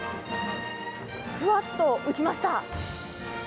ふわっと浮きました。